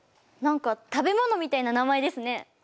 何か食べ物みたいな名前ですね！